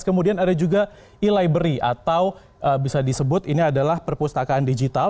kemudian ada juga e library atau bisa disebut ini adalah perpustakaan digital